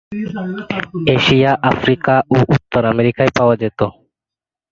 Asia, Africa ও উত্তর আমেরিকায় পাওয়া যেত।